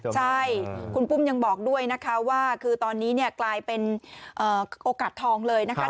ใช่คุณปุ้มยังบอกด้วยนะคะว่าคือตอนนี้กลายเป็นโอกาสทองเลยนะคะ